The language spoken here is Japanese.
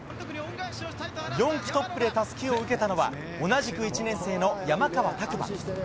４区トップでたすきを受けたのは、同じく１年生の山川拓馬。